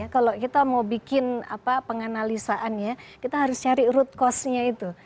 kalau kita mau bikin penganalisaannya kita harus cari root cause nya itu